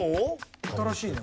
新しいね